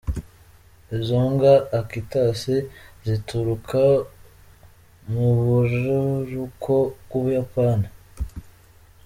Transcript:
Izo mbwa "Akitas" zituruka mu buraruko bw'Ubuyapani.